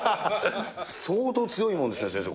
相当強いもんですね、先生、